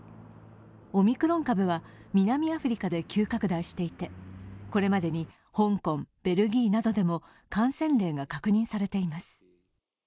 オミクロン株は南アフリカで急拡大していて、これまでに香港、ベルギーなどでも感染例が確認されています。